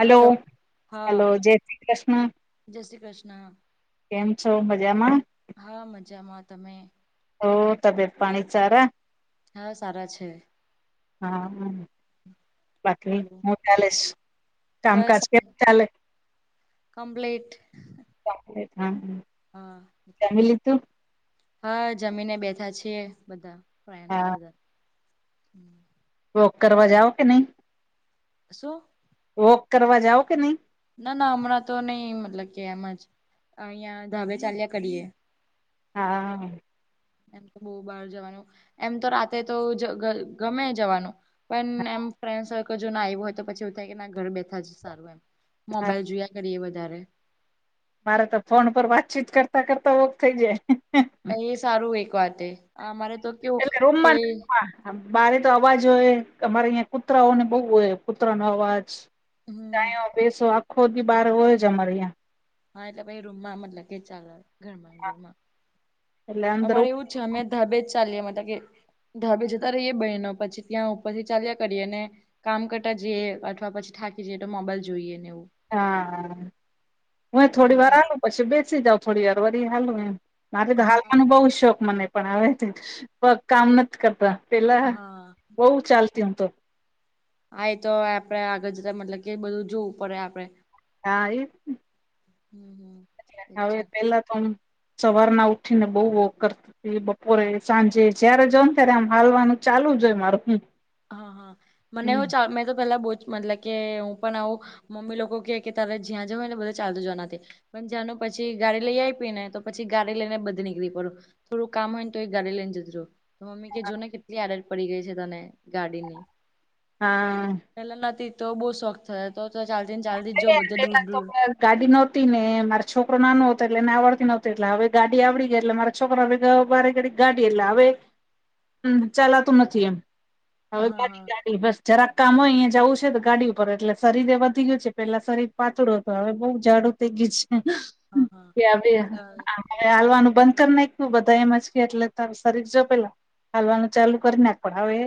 Hello હા hello, જય શ્રી કૃષ્ણ. જય શ્રી કૃષ્ણ કેમ છો મજામાં? હા મજામાં, તમે? ઓ તબિત પાણી ચારા? હા સારા છે. હા. બાકી બોલો હું ચાલેસ, કામકાજ કેમ ચાલે? કમ્પ્લેટ. કોમ્પલેટ હ. હા. જમી લીધું? હા જમીને બેઠા છીએ, બધા ફ્રેન્ડને હા બધા ‍ વોક કરવા જાઓ કે નહી? શું? વોક કરવા જાઓ કે નહી? ના ના હમણાં તો નહી મતલબ કે એમ જ અહિયા ધાબે ચાલ્યા કરીએ. હા. એમ તો બહુ બાર જવાનું એમ તો રાતે તો ગમે જવાનું પણ એમ ફ્રેન્ડસર્કલ જો ના આવ્યું હોય તો પછી એવ થાય કે ના ઘર બેઠા જ સારું એમ. હા મોબાઈલ જોયા કરીએ વધારે મારે તો ફોન પર વાતચીત કરતા કરતા વોક થઈ જાય. એ સારું એક વાત અમારે તો કેવું એલે રૂમ કે બરે તો અવાજ હોય, અમારે અહીં કૂતરાઓને બહુ હોય કૂતરા નો અવાજ હમ ત બેસો આખો દી બાર હોય જ અમારે ત્યાં હા એટલે ભાઈ રૂમમાં મતલબ કે ચા ઘરમાં ઘરમાં એટલે અંદર અમારે એવું છે અમે ધાબેજ ચાલીએ મતલબ કે [unintelligible] જતા રહીએ બહેનો પછી ત્યાં ઉપરથી ચાલ્યા કરીએ ને કામ કરતા જઈએ અથવા પછી થાકી જઈએ તો મોબાઈલ જોઈએ ને એવું. હા હું થોડી એવું વાર ચાલે હાલું પછી બેસી જાઉ થોડી વાર વરી હાલું એમ. મારે તો હા હાલવાનો બહુ શોખ મને પણ આવે પગ કામ નથી કરતા પેલા હા બઉુ ચાલતી હું તો. આયે તો આપડે આગળ જ મતલબ કે બધું જોવું પડે આપડે. હા એ જ ને. હમ હમ. એ હવે છે પેલા તો આમ સવાર ના ઉઠી ને બહું વોક કરતી. પછી બપોરે સાંજે જયારે જઉ ને ત્યારે આમ હાલવાનું ચાલુ જ હોય મારે હું. હા હા મને હો ચાર મેં તો પેલા બહુ જ [unintelligible] કે હું પણ આવું મમ્મી લોકો કે કે તારે જ્યાં જને બધા ચાલતું જવાનાથી. પણ જાનું પછી ગાડી લઈ આયપી ને તો પછી ગાડી લઈને બધે નીકળી પડું. થોડું કામ હો ને તો એ ગાડી લઈ ને જતી રહું. તો મમ્મી કે જુને કેટલી આડત પડી ગઈ છે તને ગાડીની. હા. પેલા નથી તો બઉુ શોખ થયા તો ચાલતી ને ચાલતી જ જો બધે દૂર પેલા તો ડૂર ગાડી નહોતી ને મારો છોકરો નાનો હતો એટલે ને આવડતી નહોતી એટલે હવે ગાડી આવડી ગઈ એટલે મારે છોકરા ભેગા વારે ગડી ગાડી એટલે હવે ચલાતું નથી એમ. હવે હા ગાડી ગાડી બસ જરાક કામ હોય અહીયા જવું છે ગાડી ઉપર એટલે શરીરે વધા ગયું છે પેલા શરીર પાતળું હત હવે બહુ જાઝાડુ થઈ ગયુ હા હા હા છે. એટલે હામ [unintelligible] હે હલવાનું બંધ કરી નાખું બધા એમ જ કે એટલે તારું શરીર જો પેલા. હાલવાનું ચાલુ કરી નાખ પણ હવે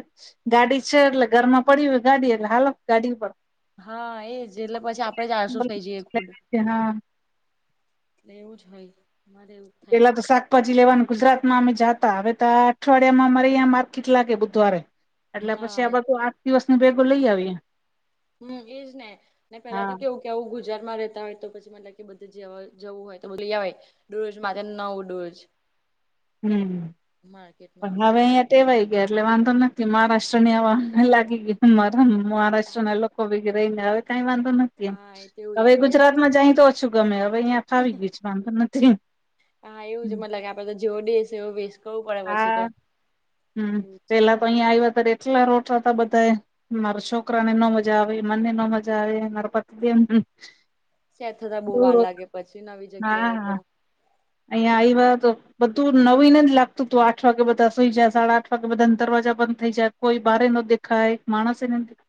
ગાડી છે એટલે ઘરમાં પડી હોય ગાડી એટલે હાલો ગાડી ઉપર. હા એજ એટલે પછી આપડે જ આળસું થઇ જઈએ ખુદ. હા એટલે એવું જ હોય. મારે એવું જ થાય એલા તો શાક ભાજી લેવાનું ગુજરાતમાં અમે જાતા હવે તો અઠવાડિયામાં મારે અહીંયા માર્કેટ લાગે બુધવારે. એટલે હા પછી આ એ બધું આઠ દિવસની ભેગુ લઈ આવીએ. હમ્મ એજ ને ને પેલા તો હા કેવું કે આવું ગુજરાતમાં રહેતા હોય તો પછી મતલબ કે બધ જવું હોય તો બધું લઈ આવય. દરરોજ માથેને ના [unintelligible] હમ્મ પણ હવે અહીંયા ટેવાઈ ગયા એટલે વાંધો નથી મહારાષ્ટ્ર ની આવા લાગી ગઈરા મહારાષ્ટ્ર ના લોકો રહીને હવે કઈ વાંધો નથી એમ હા એ તેવું જ હવે આપડે ગુજરાત માં જાય તો ઓછું ગમે હવે અહીં ફાવી ગયું છે વાંધો નથી હામ. [unintelligible] જોવો દેસ એવો વેસ્ટ કરવું પડે પછી તો. હમ્મ એવું છે પેલા તો ચાલ અહીયા આવ્યા હતા એટલા રોટ હતા બધા એ મારા છોકરા ને ન મજા આવે મને ન મજા આવે મા પતિ દે ત્યાં થોડા બહુ વાર લાગે પછી નવી જગ્યાએ તો. અહીંયા આવ્યા તો બધું નવીન જ લાગતું હતું આઠ વાગે બધા સુઈ જાય સાડા આઠ વાગે બધા દરવાજા બંધ થઈ જાય કોઈ બહરે ન દેખાાય માણસસે ન દે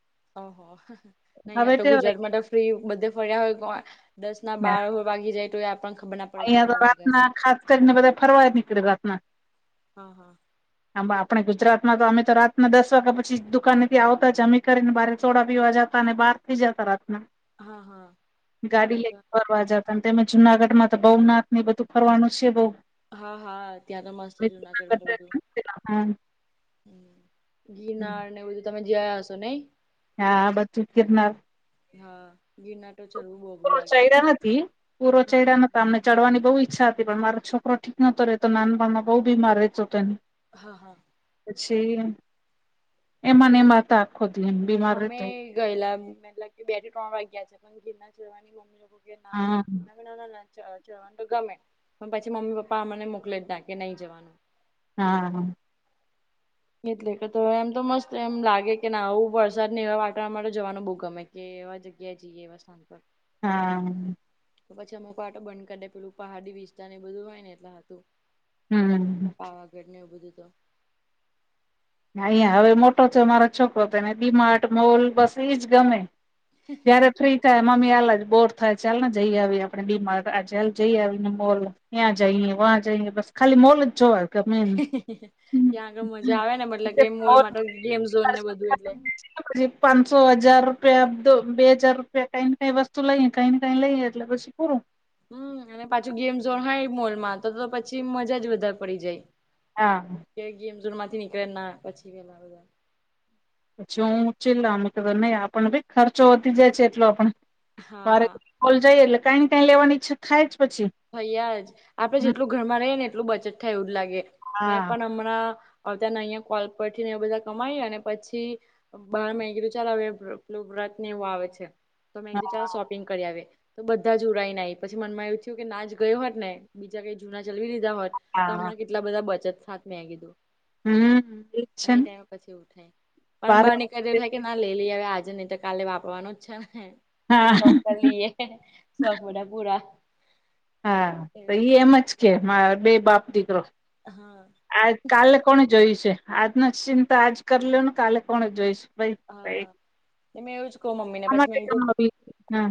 ઓ હો ને અહીંયા તો ગુજરાતમાં તો ફ્રી બધે ફર્યા હોય કોણ દસ ના ગયા. બાર હો વાગી જાય તો એ [unintelligible] અહિયાં તો કેટલા વાગ્યા રાતના છે ખાસ કરીને બધા ફરવાય નીકળે રાતના. હા હા. આંબા આપણે ગુજરાતમાં તો અમે તો રાતના દસ વાગ્યા પછી દુકાનેથી આવતા જ અમે કરીને બારે ચોડા પીવા જતા અને બાર થઈ જતા રાતના. હા હા ગાડી હવે લઈ તો ને ફરવા જતા તમે જુનાગઢ માં બહવનાથ ને બધું ફરવાનું છે બઉ હા હા ત્યાં તો મસ્ત છે જુનાગઢ માલું બધું. હ ગિરનાર ને બધું તમે જયા હછો નઈ. હા બ્ચું કિરનાર હા ગિરનાર ટો ચાઢવુબો પણ ચઢયા નથી. પૂરો ચડા્યા નતા અમને ચડવાની બહુ ઈચ્છા હતી પણ મારો છોકરો ઠીક નોતો રહેતો નાનપણમાં બહુ બીમાર રહેતો. ત. હા હા. પછી એમા ને એમા ત આખો હતી એમ બીમાર અમે રહેતો ગયેલા મતલબ કે બે થી ત્રણ વાગ્યા છે પણ ગિરનાર ચઢવાની મમ્મ [inaudible] ગિરનાર. હા જ જવાનું તો ગમે પણ પછી મમ્મી પપ્પા અમને મોકલી જ ના કે નહી જવાનું. હા. એટલે કે તો એમ તો મસ્ત એમ લાગે કે ના આવું વરસાદ ને એવા વાટ વરણ માટે જવાનું બહુ ગમે કે એવા જગ્યા જઈએ વરસાદ પર હા. તો પછી અમુક આટોંધ કરી દે પેલું પહાડી વિસ્તાર એ બધું હોય ને એટલા હતું. હમ હા પાવાગઢ ને એવું બધું તો. અહં હવે મોટો થ મારો છોકરો તોને બિમાર્ટ, મોલ બસ એજ ગમે. જયારે થઈ. ક મમ્મી હાલ જ બોર થાય ચાલ ને જઈ આવી આપડે બીમાર્ટ હાલ જઈ આવીને મોલ ત્યાં જઈએ વહં જઈએ બસ ખાલી મોલ જ જોવા. ગમે એને ત્યાં આગળ મજા આવે ને મતલબ કે મોલ માટે ગેમ ઝોન ને બધું એટલે પછી તો ઘરે પાંસો હજાર રૂપિયા બે હજાર રૂપિયા કઈ ને કઈ વસ્તુ લઈએ કઈ ને કઈ લઈ એટ પછી પૂરું. હમ અને પાછું ગેમ ઝોન હોય મોલમાં તો તો પછી મજા જ વધારે પડી જાય. હા. કે ગેમઝોન માંથી નીકળે ના પછી વેલા બધા પછી હું ચેલ્લા આમ કે નહી આપને ભાઈ ખર્ચો વધી જાય છે એટલો આપણે વારે હા મોલ જઈએ એટલે કાંઈ કાંઈ લેવાની ઈચ્છા થાય અજ પછી. ભઈ આજ આપડે જેટલું ઘરમાં રહીએ ને એટલું બચત થાય એવું જ લાગે મેં હા. પણ હમણાં અતાન અહીંયા કોલ પર થી ને બધા કમાય અને પછી પણ અવે મેં કીધું ચલ અવે વ પેલું વ્રત ને એવું આવે છે. તો મેં કી ચાલ હા શોપિંગ કરી આવે તો બધા જ ઉડાઈ ન આવી પછી મનમાં એવું થયું કે ના જ ગઈ હોત ને બીજા કઈ જૂના ચલવી લીધા હોય તો હા હમણા કેટલા બધા બચત થાત મેં કીધું. હમ એજ છે અને એ ને ટાઈમે પછી એવું થાય અન બારે બાને કદાચ એવું થાય કે ના લઈ લઈએ હવે આજે નહી તો કાલે વાપરવાનું જ છે ને હા શોક કરી લઈએ શોખ બધા પુરા હા તો ઈ એમજ કે માર બે બાપ દીકરો હા. આજ કાલે કોણ જોયું છે આજના ચિંતા આજ કર લોન કાલે કોણ જોઈ છે. બસ એક કે મેં એવું જ કહ મમ્મી ને પછી મે કીધું કમાવી હા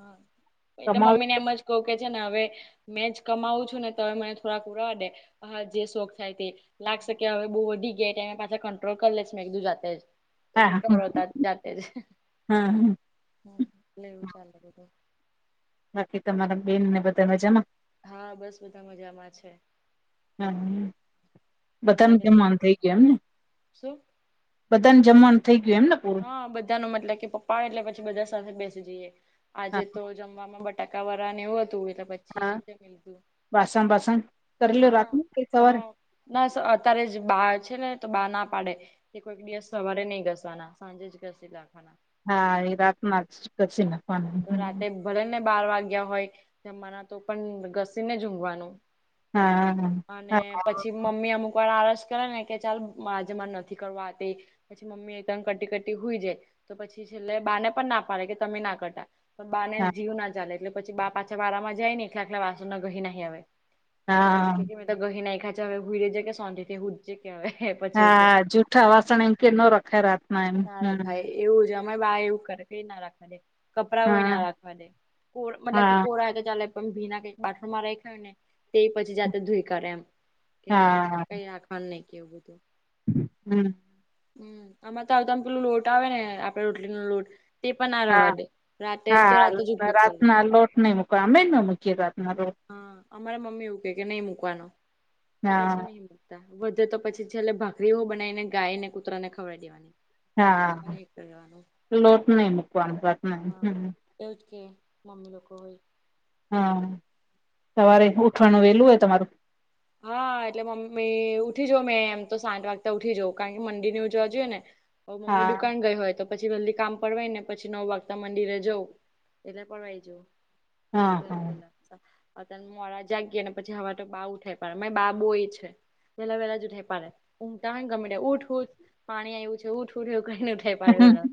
હ એટલે મમ્મી ને કમાવી એમજ કઉ કે છે ને. હવે મેં જ કમાવું છું ને તો હવે મેં થોડાક ઉડવા દે. હ જે શોખ થાય તે લાગશે કે હવે બહુ વધી ગયા ત્યાં મે પાછા કંટ્રોલ કરી લે છે. મેં કીધું જાતેજ તો કે હા કરો તાર જાતે જ હા એટલે એવું ચાલે બધું. બાકી તમારા બેન ને બધા મજા માં. હા બસ બધા મજામાં છે. હા. બધાન તમારે બધા જમવાનું થઇ ગય એમને, શું બધાન જમવાનું થઇ ગયું એમને પૂરું હ બધા નો મતલબ કે પપ્પા એટલે પછી બધા સાથે બેસી જઈએ હા આજે તો જમવામાં બટ- ટકા વારા ને એવું હતું એટલે પછી હા જમી લીધું. વાસણ બાસણ. હ કરેલું રાતનું કે હ સવારે ના સર અત્યારે જ બા છે ને તો બા ના પાડે છ. તે કોઈક દિવસ સવારે નહી ઘસવાના. સાંજે જ ઘસી લાખવાના. હા એ રાતમાં જ ઘસી તો રાતે નાખવાનું. ભલે ને બાર વાગ્યા હોય. જમવાના તો પણ ઘસીનેજ ઊંઘવાનું. હા અને હા પછી મમ્મી અમુક વાર આળસ કરે ને કે ચાલ મા આજે માં નથી કરવા આજે. પછી મમ્મી એકદમ કટી કટી હોઈ જાય. તો પછી છેલ્લે બાને પણ ના પાડે કે તમે ના કરતા. બાને હા જીવ ના ચાલે. એટલે પછી બા પાછા વાળામાં જાય ને એટલે આટલા વાસણને ઘહી નહીં આવે. હા પછી જે મેં તો ગહી નાખખા છે હવે હુઈ રજે કે સોંધી હુટજે કે હવે. પછી એવું કે હા જૂઠા વાસણ એમ કે ન રખાય રાત ના. એમ હમ. એવું છે. અમાર બા એવું કરે. કઈ ના રાખવા દે. કપડા હોય હા ના રાખવા દે. કોડ મતલબ કે હા કોરા હોય તો ચાલે. પણ ભીના કે બાથરૂમ માં રાયખા હોય ને તો એ પછી જાતે ધોઈ કરે એમ કે ના હા કઈખ. હ ન કેવ બધું. હમ. હમ આમાં તો આવું તો આમ પેલું લોટ આવે ને આપડે રોટલી નો લોટ. તે પણ ના હા રવા દે રાતે તો જ આ બધો હા ઉપયોગ કરવો. રાતના લોટ નઈ મૂક. કામે ના મૂકીએ રાતના તો. હા અમારા મમ્મી એવું કે કે નહી મૂકવાનું. એટલે પછી હા નહી. વધે તો પછી છેલ્લે ભાખરી બનાવીને ગાય ને કુતરા ને ખવવાડી દેવાની. હા. અને એ કરવાનું લોટ નહી મુકવાનું વાત ન હા હમ. એવું જ કે મમ્મી લોકો હોય. હા સવારે ઉઠવાનું વેલું હોય તમારું? હા એટલે મમ્મી ઉઠી જ મેં એમ તો સાત વાગતા ઉઠી જવ. કારણ કે મંડી ને ઉજવા જોઈએ ને. હ મમ્મી હા દુકાન ગઈ હોય તો. પછી બાકી કામ પવાય ને પછી નવ વાગતા મંદિરે જવ એટલે પડવાય જવ. હા હા અત્યારે મોડા જાગ ગયાને પછી હવે તો બા ઉઠાડે. પણ અમે બાબુ એ છે. વેલાહલા જ ઉ થઈ પ પાડે ઉઊમટાને ગમે ઉઊઠ ઉઠ પાણી આવ્યું છે ઉઠ ઉઠ એવું કઈ નથી. પડ પેલા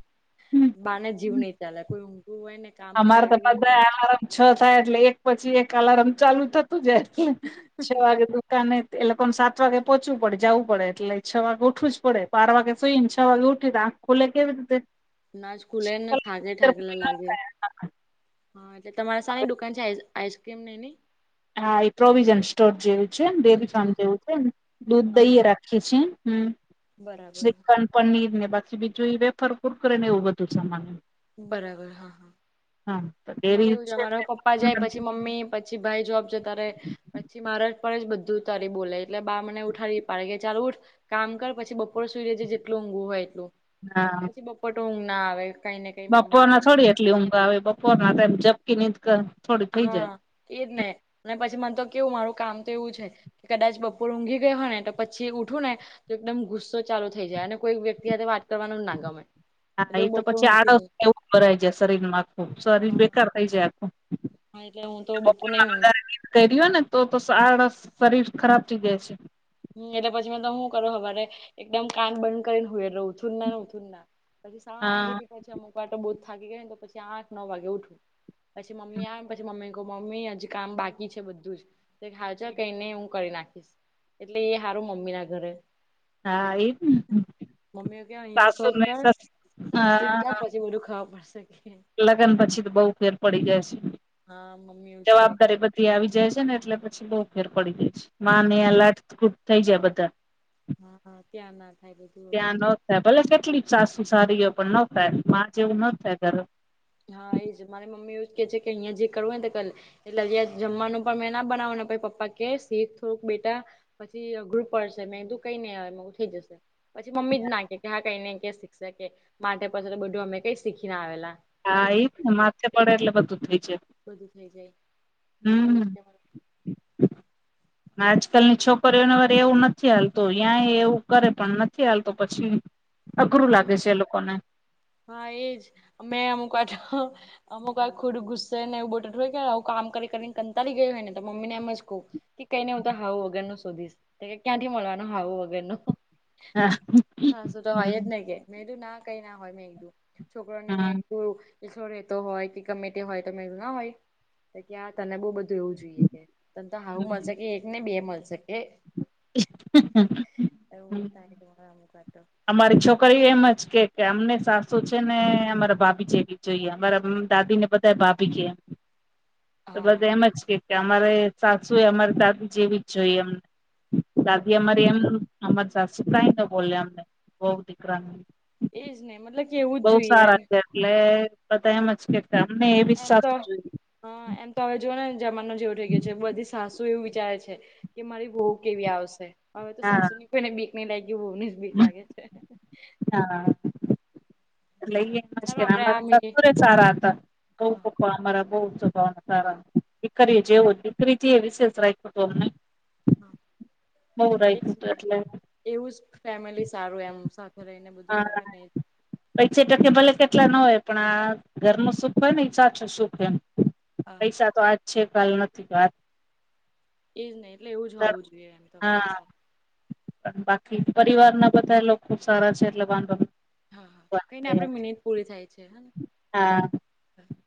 બારને જીવ નહી ચાલે કોઈ ઊંઘું હોય ને કામ અમારે ફરું હોય ને તો બધા અલાર્મ છ થાય એટલે એક પછી એક અલાર્મ ચાલુ થતું જાય. છ વાગેનુ નહી એ લોકોને સાત વાગે પહોચવું પડે જવું પડે. એટલે છ વાગે ઉઠવું જ પડે. બાર વાગે સુઈ ને છ વાગે ઉઠી ખુલે કેવે તતે. નાચ ખુલેને થે થકેલા લાગે. હા. એટલે તમારે સાા ની દુકાન છે? આઈસક્રીમની અને? હા એ પ્રોવિઝન સ્ટોર જેવું છે. ને ડેરી ફાર્મ અચ્છા હા જેવું છે. દૂધ હા દઈએ રાખી છે. હમ. બરાબર. શ્રીખંડ પનીર ને બાછી બીજું એ વફર પૂર કરે ને એવું બધું સમાન બરાબર હા હા તો અમારે ડેરી એવું. છે અમારા પપ્પા જાય પછી મમ્મી પછી ભાઈ જોબ જતા રહે. પછી મારે જ પણ જ બધું ઉતારી બોલે એટલે બા મને ઉઠાવી પડે કે ચાલ ઉઠ. કામ કર. પછી બપોરે સુઈ રહેેજે જેટલું ઊંઘું હોય એટલું. હા. બપટો ઊંઘ ના આવે કઈ. બપોર મોબાઈલ ના જોવાનું થોડી એટલી ઊંઘ આવી. બપોરનામ ઝપકી ની કર હા એજ ને અને પછી મન તો કેવું મારું કામ તો એવું છે. કે કદાચ બપોર ઊઘ ગઈ હોય ને તો પછી ઉઠું ને તો એકદમ ગુસ્સો ચાલુ થઈ જાય અને કોઈ વ્યક્તિ સાથે વા હા એ તો પછી ઊંઘતી આડસ નહી એવું ભરાય છે શરીર માં ખુબ શરીર હા બેકાર થઈ જાય. હા એટલે હું તો બપોર નહી બપોરના હું વધારે નિંદ કરીએને તો તો આળસ શરીર ખરાબ થઈ જાય છે. હમ્મ, એટલે પછી મે તો શું કરો હવારે એકદમ કાન બંધ કરીને હુઈ રહવું. ઠૂર ઉઠૂરના પછી હા શાંતિથી છેન અમુક વાટો બો થાકી ગઈ હુંને તો પછી આઠ નવ વાગે ઉઠું. પછી મમ્મી આવે પછી મમ્મીને કહું મમ્મી હજ કામ બાકી છે બધું જ. તે હાલજ કઈને હું કરી નાખીશ. એટલે એ હારું મમ્મી ના ઘરે. હા એજ ને મમ્મીઓ ક્યા અહીયા શોખ સાસુને કર. સસ શાસ્તિક જા હા પછી બધું ખાવા પડશે કે. લગ્ન પછી તો બહુ ફેર પડી જાય છે. હા મમ્મી ઉઠતી તે તો. એ આવી જાય છે ને એટલે પછી બહુ ફેર પડી જાય છે માં ને આ લાટકૂટ થઈ જાય બધા. હા હા ત્યાં ના જ. ત્યાં ન થાય ભલે કેટલીક સાસુ સારીઓ પણ ન થાય મા જેવું ન થાય ઘર. હા એજ મારે મમ્મી એવજ કે છે કે અહિયાં જે કરવું ને તો કલે. એટલે હજી જમવાનું પણ મેં ના બનાવાનું પહિ પપ્પા કે સીખ થોડુંક બેટા પછી અઘરુ પડશે મે તું કઈ ને થઈ જશે. પછી મમ્મી જ ના કે હા કઈને શીખ શકે માટે પછી તો માથે બધું અમે કઈ શીખી ના આવેલા. હા શીખશે એઈ જ તો ને બધું માથે પડે એટલે બધું થઈ જાય. બધું થઈ જાય મમ્મી એવું હમ્મ. જ કે આજકાલની છોકરીઓને વાર એવું નથી હાલતું યાં એવું કરે પણ નથી હાલતો પછી. અઘરું હમ લાગે છે એ લોકોને. હા એજ, મે અમુક વાર તો અમુકવાર ખોડુ ગુસે ને એવુ બોટ હોયને હું કામ કરી કરીને કંતાળી ગયો હોય ને તો મમ્મીનેમ જ કહું તે કઈને હું તો હાવું વગર નું શોધીશ ક્યાંથી મળવાનો હાવો વગર ન? હા સાસું તો હોય હમ જ ને કે મેં કીધ એવુ ના કઈ ના હોય મેં એકું. છોકરાને મેં હા એકું સો રેતો હોય કે ગમે તે હોય તો મે ના હોય તો ક્યાં તને બ બધું એવું જોઈએ કે ત તો આવું મળશે હમ કે એક ને બે મળશે કે હ એવું તારી તમામકતો. અમારી છોકરી એમજ કે કે અમને સાસુ છે ને અમારા ભાભી છેવી જોઈએ મારા દાદી ને બતાય ભાભી કે. તો હા બધા હા એમ જ કે કે અમારે સાસુ એ અમારી દાદી જેવી જ જોઈએ અમને. દાદી અમારી એમ અમાર સાસુ કઈ તો બોલ અમને બહ દીકરા. એજ ને મતલબ કે એવું જ બઉ જોઈએ સારા છે એટલે બધા એમજ કે કે અમને એવી એમ તો સાથેસ જોય. હા એમ તો હવે જો નેને જમાનો જેવું થઈ ગયો છે બધી સાસુ એવું વિચારે છે. કે મારી બઉ કેવી આવશે હવે તો હા સાસુ ની કોઈને બીક નહી લાગય બહુ ને જ બીક લાગે છે. ના ના. લઈ ચાલો મુશ્કેલ આપડે અમા આ મિનિટ સપુરે સારા હતા હા અમારા બહ ભ સારા દીકરી જેવો દીકરી છે એ વિશેષ રાખ્યું હતું અમને હા. બવ એજ આયકું તું ને એટલે એવું જ ફેમિલી સારું એમ સાથે રહીને બધું કરે ને. પૈચ ટકે ભલે કેટલા ના હોય પણ આ ઘર નું સુખ હોય ને એ સાચું સુખ એમ. હા પૈસા તો આજ છે કાલ નથી તો આ એજ નહ એટલે એવું હોવું જોઈએ એમ તો બધા સારું પણ બાકી પરિવાર ના બધા લોકો ખુબ સારા છે એટલે બાંધો ની હા હા કઈને આપડે મિનિટ પૂરી થાય છે હા [inaudible]